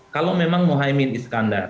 kalau memang mohaimin iskandar